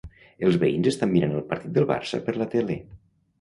Els veïns estan mirant el partit del Barça per la tele